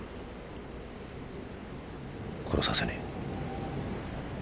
殺させねえ。